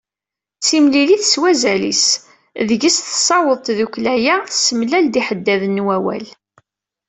D timlilit, s wazal-is. Deg-s teṣṣaweḍ tddukkla-a, tessemlal-d iḥeddaden n wawal.